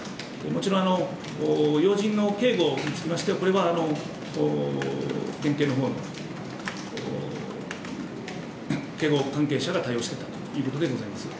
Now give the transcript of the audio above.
もちろん要人の警護につきましては県警のほうの警護関係者が対応しているということでございます。